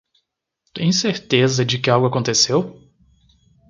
Tem certeza de que algo aconteceu?